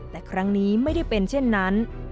แต่ครั้งนี้ไม่ได้เป็นเช่นนั้น